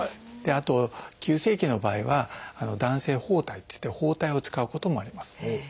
あと急性期の場合は弾性包帯っていって包帯を使うこともあります。